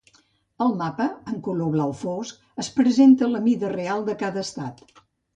Al mapa, en color blau fosc, es presenta la mida real de cada estat.